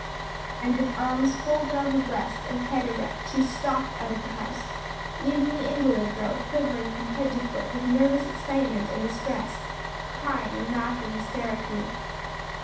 And with arms folded on her breast and head erect, she stalked out of the house, leaving the invalid girl quivering from head to foot with nervous excitement and distress, crying and laughing hysterically.